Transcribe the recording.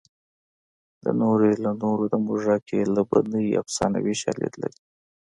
د نورو یې له نورو د موږک یې له بنۍ افسانوي شالید لري